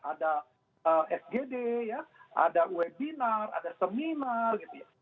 ada sgd ada webinar ada seminar gitu ya